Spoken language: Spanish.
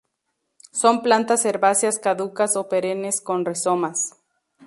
Son plantas herbáceas caducas o perennes con rizomas.